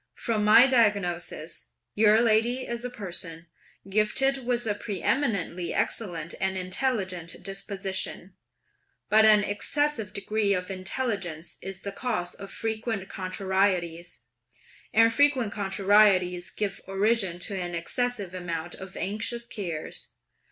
From my diagnosis, your lady is a person, gifted with a preëminently excellent, and intelligent disposition; but an excessive degree of intelligence is the cause of frequent contrarieties; and frequent contrarieties give origin to an excessive amount of anxious cares.